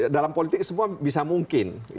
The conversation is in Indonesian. dalam politik semua bisa mungkin